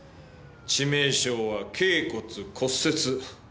致命傷は頚骨骨折。